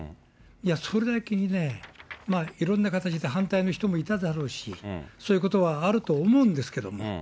いや、それだけにね、いろんな形で反対の人もいただろうし、そういうことはあると思うんですけども。